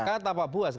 kan tapak buas kan